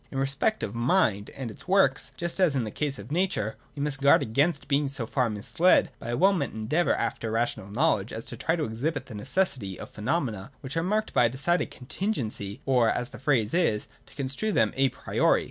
In respect of Mind and its works, just as in the case of Nature, we must guard against being so far misled by a well meant endeavour after rational knowledge, as to try to exhibit the necessity of phenomena which are marked by a decided contingency, or, as the phrase is, to construe them a priori.